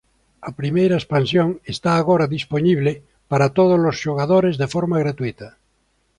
A primeira expansión esta agora dispoñible para tódolos xogadores de forma gratuíta.